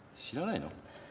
知らないの？